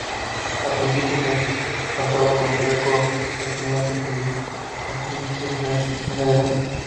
Al principio se contaban con tres corregimientos y diecisiete veredas.